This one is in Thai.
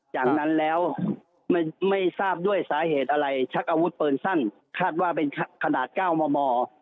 จากนั้นแล้วไม่ทราบด้วยสาเหตุอะไรชักอาวุธปืนสั้นคาดว่าเป็นขนาด๙มม